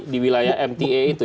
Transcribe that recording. di wilayah mta itu